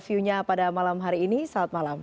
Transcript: view nya pada malam hari ini saat malam